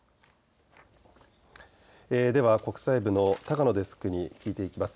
では国際部の高野デスクに聞いていきます。